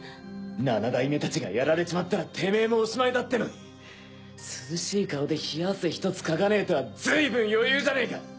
七代目たちがやられちまったらテメエもおしまいだってのに涼しい顔で冷や汗ひとつかかねえとはずいぶん余裕じゃねえか！